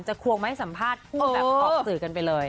จะควงไม่สัมภาษณ์คู่แบบออกสื่อกันไปเลย